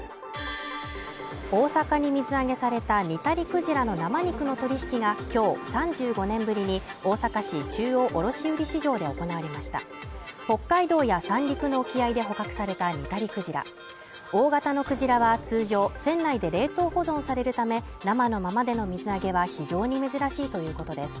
大阪に水揚げされたニタリクジラの生肉の取引が今日３５年ぶりに大阪市中央卸売市場で行われました北海道や三陸の沖合で捕獲されたニタリクジラ大型のクジラは通常船内で冷凍保存されるため生のままでの水揚げは非常に珍しいということです